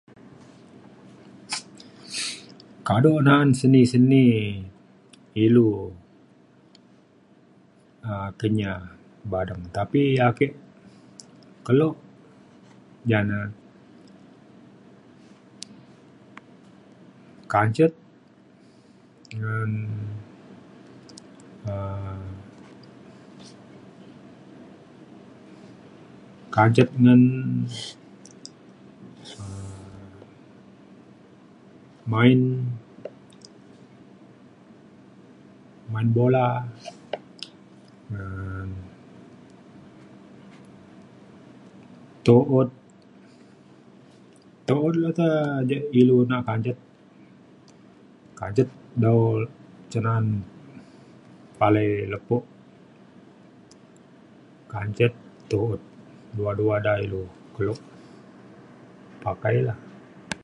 kado na’an seni seni ilu um Kenyah Badeng. tapi ake kelo ja na kancet ngan um kancet ngan um main main bola ngan tu’ut. tu‘ut le te je ilu na kancet. kancet dau cen na’an palai lepo kancet tu’ut dua dua da ilu kelo pakai la.